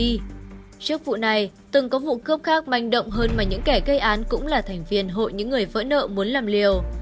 trước vụ này từng có vụ cướp khác manh động hơn mà những kẻ gây án cũng là thành viên hội những người vỡ nợ muốn làm liều